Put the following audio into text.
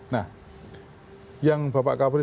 nah yang bapak kabri